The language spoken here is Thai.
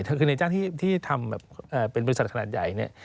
ถือคือในการที่ทำในบริษัทขนาดใหญ่